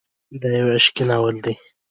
دا يو عشقي ناول دی.